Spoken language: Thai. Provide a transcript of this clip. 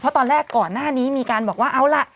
เพราะตอนแรกก่อนหน้านี้มีการบอกว่าเอาล่ะ